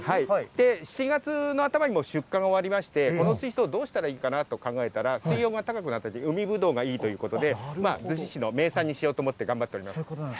７月のあたまに出荷が終わりまして、この水槽、どうしたらいいかなと考えたら、水温が高くなって、海ぶどうがいいということで、逗子市の名産にしようと思って頑張っております。